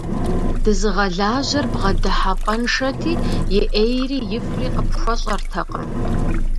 Дызыгъэлажьэр бгъэдыхьэпӏэншэти, и ӏейри ифӏри къыпхуэщӏэртэкъым.